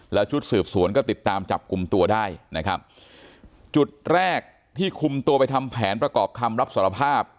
แล้วชุดสืบสวนก็ติดตามจับกลุ่มตัวได้นะครับจุดแรกที่คุมตัวไปทำแผนประกอบคำรับสารภาพ